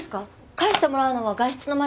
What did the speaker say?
返してもらうのは外出の前と規則に。